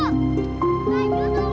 tunggu tunggu dulu